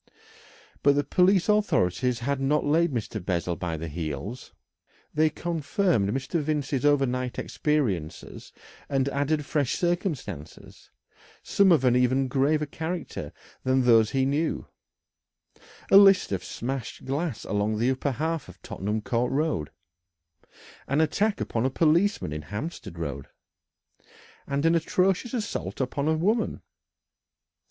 But the police authorities had not laid Mr. Bessel by the heels. They confirmed Mr. Vincey's overnight experiences and added fresh circumstances, some of an even graver character than those he knew a list of smashed glass along the upper half of Tottenham Court Road, an attack upon a policeman in Hampstead Road, and an atrocious assault upon a woman.